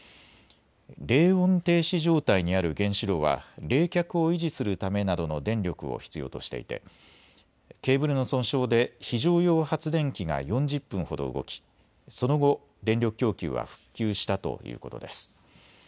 冷温停止状態にある原子炉は冷却を維持するためなどの電力を必要としていてケーブルの損傷で非常用発電機が４０分ほど動き、その後、電力供給は復旧したということです。